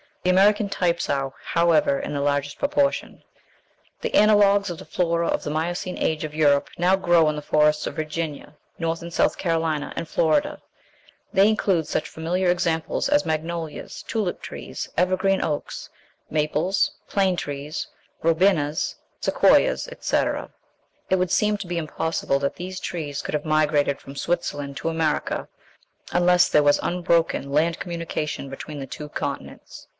The American types are, however, in the largest proportion. The analogues of the flora of the Miocene Age of Europe now grow in the forests of Virginia, North and South Carolina, and Florida; they include such familiar examples as magnolias, tulip trees, evergreen oaks, maples, plane trees, robinas, sequoias, etc. It would seem to be impossible that these trees could have migrated from Switzerland to America unless there was unbroken land communication between the two continents.